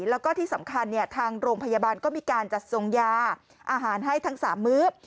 แล้วก็ที่สำคัญทางโรงพยาบาลก็มีการจัดทรงยาอาหารให้ทั้ง๓มื้อ